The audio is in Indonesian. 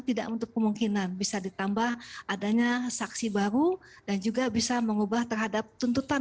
tidak untuk kemungkinan bisa ditambah adanya saksi baru dan juga bisa mengubah terhadap tuntutan